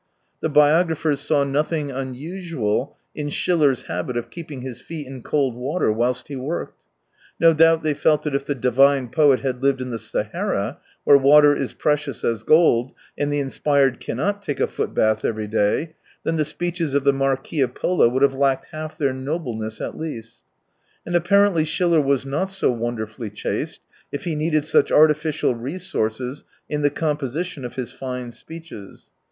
The biographers saw nothing unusual in Schiller's habit of keeping his feet in cold water whilst he worked. No doubt they felt that if the divine poet had lived in the Sahara, where water is precious as gold, and the inspired cannot take a footbath every day, then the speeches of the Marquis of Pola would have lacked half their noble ness, at least. And apparently Schiller was not so wonderfully chaste, if he needed such artificial resources in the composition of his fine speeches.